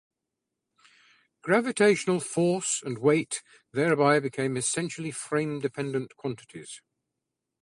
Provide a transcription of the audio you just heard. Gravitational force and weight thereby became essentially frame-dependent quantities.